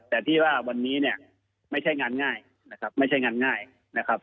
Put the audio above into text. แต่พี่ว่าวันนี้เนี่ยไม่ใช่งานง่ายนะครับ